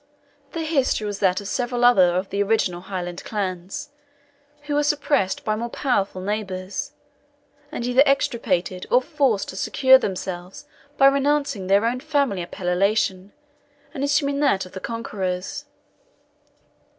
Their history was that of several others of the original Highland clans, who were suppressed by more powerful neighbours, and either extirpated, or forced to secure themselves by renouncing their own family appellation, and assuming that of the conquerors.